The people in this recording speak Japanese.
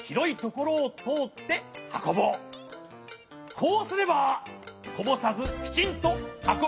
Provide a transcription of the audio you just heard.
こうすればこぼさずきちんとはこべるぞ。